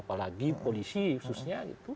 apalagi polisi khususnya